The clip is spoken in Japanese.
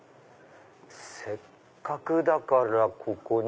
せっかくだからここに。